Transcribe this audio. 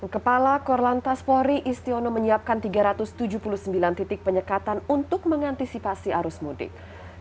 kepala korlantas polri istiono menyiapkan tiga ratus tujuh puluh sembilan titik penyekatan untuk mengantisipasi arus mudik